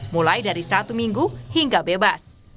mulai dari satu minggu hingga bebas